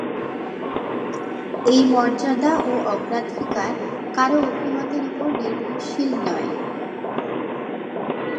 এই মর্যাদা ও অগ্রাধিকার কারো অভিমতের উপর নির্ভরশীল নয়।